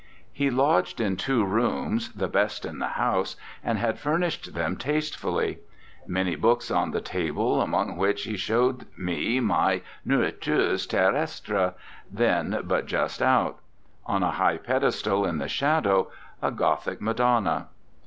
He lodged in two rooms, the best in the house, and had furnished them taste fully. Many books on the table, among which he showed me my "Nourritures Terrestres," then but just out. On a high pedestal, in the shadow, a Gothic Madonna.